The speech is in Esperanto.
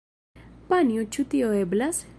Panjo, ĉu tio eblas?